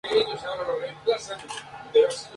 nosotras no habremos comido